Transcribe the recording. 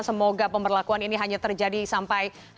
semoga pemberlakuan ini hanya terjadi sampai hari ini